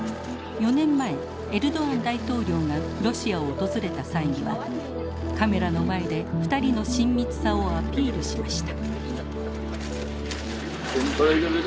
４年前エルドアン大統領がロシアを訪れた際にはカメラの前で２人の親密さをアピールしました。